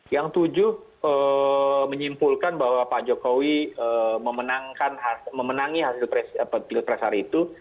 yang tujuh menyimpulkan bahwa pak jokowi memenangi hasil pilpres hari itu